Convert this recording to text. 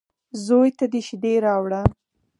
_زوی ته دې شېدې راوړه.